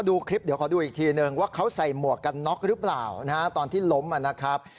ดูคลิปเดี๋ยวขอดูอีกทีนึงว่าเขาใส่หมวกกันน็อกหรือเปล่านะฮะตอนที่ล้มนะครับ